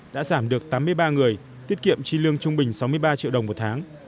đã giảm được tám mươi ba người tiết kiệm chi lương trung bình sáu mươi ba triệu đồng một tháng